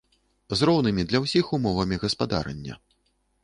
З роўнымі для ўсіх умовамі гаспадарання.